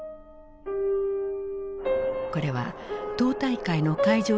これは党大会の会場